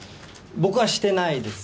僕はしてないです。